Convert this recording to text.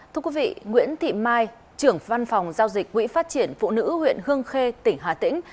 thưa quý vị nguyễn thị mai trưởng văn phòng giao dịch quỹ phát triển phụ nữ huyện hương khê tỉnh hà tĩnh